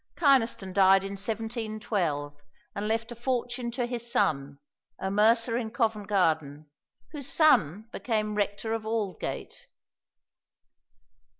Kynaston died in 1712, and left a fortune to his son, a mercer in Covent Garden, whose son became rector of Aldgate.